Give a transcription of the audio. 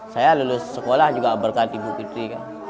saya lulus sekolah juga berkat ibu putri